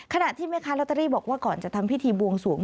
ขณะที่แม่ค้าลอตเตอรี่บอกว่าก่อนจะทำพิธีบวงสวง